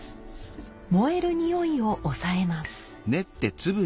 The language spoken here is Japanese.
燃えるにおいを抑えます。